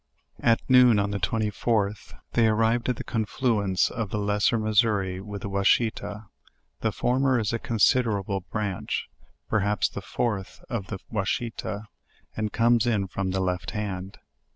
At noon on the 24th, they armed at the confluence of th LEWIS AND CLARKE. 193 Lesser Missouri with the Washita; the former is a consider able branch, perhaps the fourth of the Washita, and comes in from the left hand.